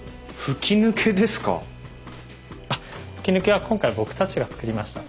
吹き抜けは今回僕たちが造りました。